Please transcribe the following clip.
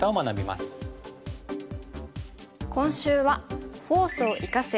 今週は「フォースを生かせ！